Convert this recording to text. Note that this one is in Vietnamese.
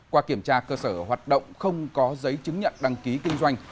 qua kiểm tra cơ sở hoạt động không có giấy chứng nhận đăng ký kinh doanh